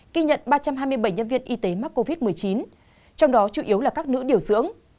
ghi nhận ba trăm hai mươi bảy nhân viên y tế mắc covid một mươi chín trong đó chủ yếu là các nữ điều dưỡng